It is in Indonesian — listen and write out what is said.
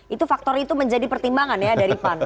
itu faktor itu menjadi pertimbangan ya dari pan